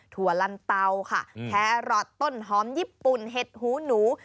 ถั่ลันเตาค่ะแครอทต้นหอมญี่ปุ่นเห็ดหูหนู